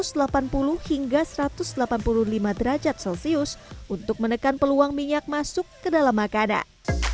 sehingga satu ratus delapan puluh derajat celcius untuk menekan peluang minyak masuk ke dalam makanan